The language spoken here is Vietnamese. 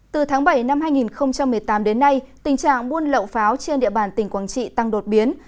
từ tháng bảy năm hai nghìn một mươi tám đến nay tình trạng buôn lậu pháo trên địa bàn tỉnh quảng trị tăng đột biến